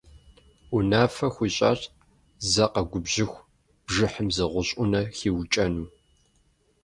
Унафэ хуищӀащ зэ къэгубжьыху бжыхьым зы гъущӀ Ӏунэ хиукӀэну.